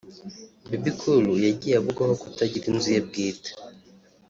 Bebe Cool yagiye avugwaho kutagira inzu ye bwite